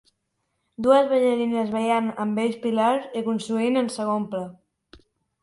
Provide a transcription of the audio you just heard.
Dues ballarines ballant amb bells pilars i construint en segon pla